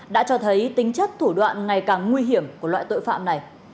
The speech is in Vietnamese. đã cho thấy tính chất thủ đoạn ngày càng nguy hiểm của loại tội phạm này